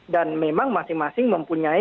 dan memang masing masing mempunyai